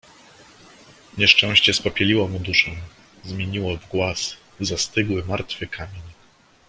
"Nieszczęście spopieliło mu duszę, zmieniło w głaz, w zastygły, martwy kamień."